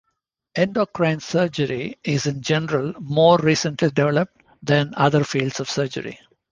Endocrine surgery is in general more recently developed than other fields of surgery.